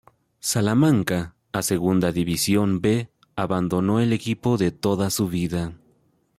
Salamanca a Segunda División B, abandonó el equipo de toda su vida.